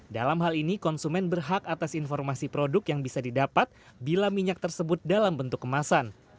dalam hal ini konsumen berhak atas informasi produk yang bisa didapat bila minyak tersebut dalam bentuk kemasan